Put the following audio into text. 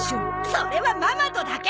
それはママとだけ！